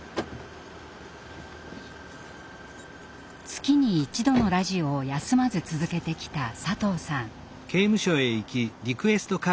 月に一度のラジオを休まず続けてきた佐藤さん。